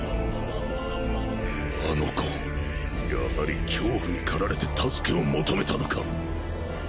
あの子やはり恐怖に駆られて助けを求めたのか